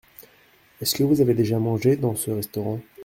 Est-ce que vous avez déjà mangé dans ce restaurant ?